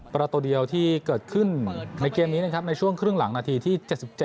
ประโดดีที่เกิดขึ้นในเกมนี้นะช่วงครึ่งหลังหน้าทีที่๗๗